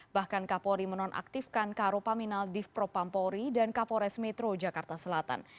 bahkan kapolri menonaktifkan karopaminal div propampori dan kapolres metro jakarta selatan